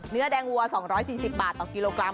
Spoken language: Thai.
เนื้อแดงวัว๒๔๐บาทต่อกิโลกรัม